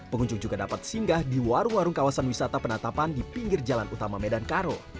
pengunjung juga dapat singgah di warung warung kawasan wisata penatapan di pinggir jalan utama medan karo